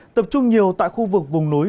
tập trung nhiều tại khu vực vùng núi